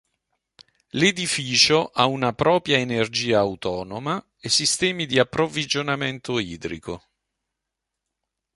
L'edificio ha una propria energia autonoma e sistemi di approvvigionamento idrico.